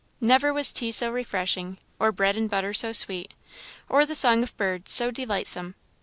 Never was tea so refreshing, or bread and butter so sweet, or the song of birds so delightsome.